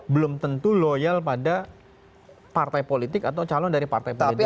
belum tentu loyal pada partai politik atau calon dari partai politik